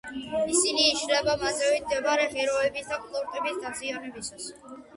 ისინი იშლება მათ ზევით მდებარე ღეროების და ყლორტების დაზიანებისას.